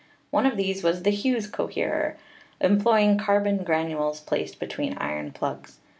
One of these was the Hughes coherer, employing carbon granules placed between iron plugs.